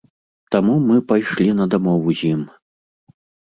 Таму мы пайшлі на дамову з ім.